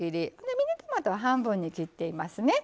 ミニトマトは半分に切っていますね。